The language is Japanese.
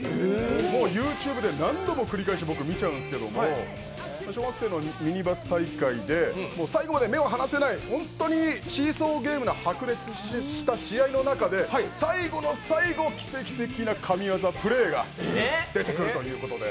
もうＹｏｕＴｕｂｅで何度も繰り返し見ちゃうんですけれども、小学生のミニバス大会で最後まで目を離せない本当にシーソーゲームの白熱した試合の中で最後の最後、奇跡的な神業プレーが出てくるということで、